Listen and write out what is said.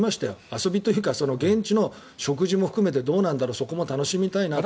遊びというか現地の食事も含めてそこも楽しみたいなと。